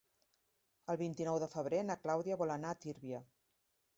El vint-i-nou de febrer na Clàudia vol anar a Tírvia.